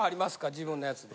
自分のやつで。